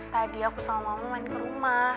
tadi aku sama mama main ke rumah